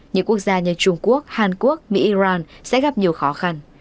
những quốc gia như trung quốc hàn quốc mỹ iran sẽ gặp nhiều khó khăn